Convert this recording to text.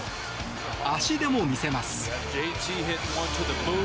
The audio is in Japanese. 足でも見せます。